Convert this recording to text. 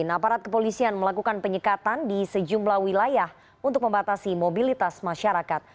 aparat kepolisian melakukan penyekatan di sejumlah wilayah untuk membatasi mobilitas masyarakat